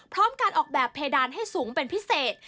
พร้อมการออกแบบเพดานให้สูงเป็นพิเศษ